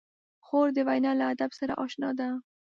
خور د وینا له ادب سره اشنا ده.